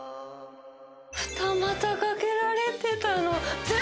二股かけられてたの。